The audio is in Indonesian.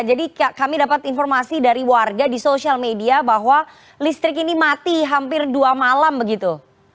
jadi kami dapat informasi dari warga di social media bahwa listrik ini mati hampir dua malam begitu